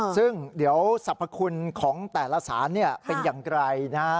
ซึ่งเดี๋ยวสรรพคุณของแต่ละสารเป็นอย่างไรนะฮะ